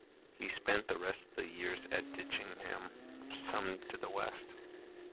He spent the rest of the year at Ditchingham some to the west.